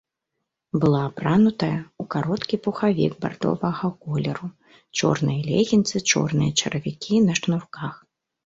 Была апранутая ў кароткі пухавік бардовага колеру, чорныя легінсы, чорныя чаравікі на шнурках.